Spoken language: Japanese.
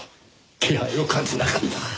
気配を感じなかった。